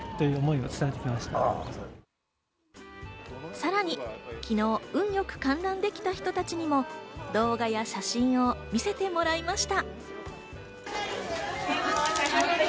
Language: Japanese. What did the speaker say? さらに昨日、運よく観覧できた人たちにも動画や写真を見せてもらいました。